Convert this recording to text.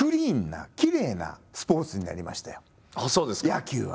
野球は。